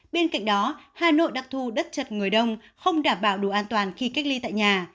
bên cạnh đó hà nội đặc thù đất chật người đông không đảm bảo đủ an toàn khi cách ly tại nhà